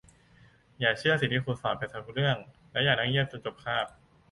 อย่าเชื่อสิ่งที่ครูสอนไปซะทุกเรื่องและอย่านั่งเงียบจนจบคาบ